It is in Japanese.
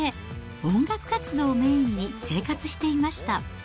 音楽活動をメインに生活していました。